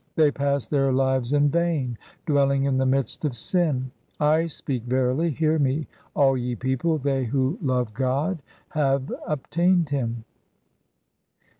They pass their lives in vain, dwelling in the midst of sin. 2 I speak verily ; hear me all ye people — they who love God have obtained Him.